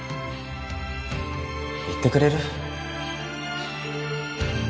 行ってくれる？